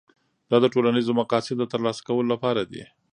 دا د ټولنیزو مقاصدو د ترلاسه کولو لپاره دي.